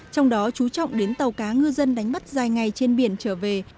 trong đó chú trọng đến tàu cá ngư dân đánh bắt dài ngày trên biển trở về